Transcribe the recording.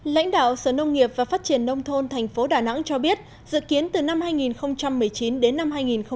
lãnh đạo sở nông nghiệp và phát triển nông thôn tp đà nẵng cho biết dự kiến từ năm hai nghìn một mươi chín đến năm hai nghìn hai mươi